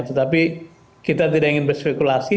tetapi kita tidak ingin berspekulasi